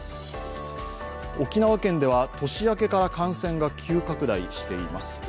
沖縄県では年明けから感染が急拡大しています。